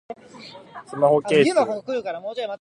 スマホケース